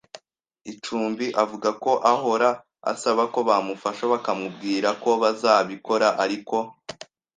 icumbi Avuga ko ahora asaba ko bamufasha bakamubwira ko bazabikora ariko